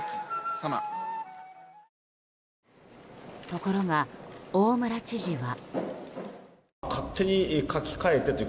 ところが、大村知事は。